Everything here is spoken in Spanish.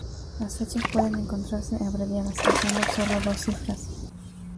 Las fechas pueden encontrarse abreviadas, usando sólo dos cifras.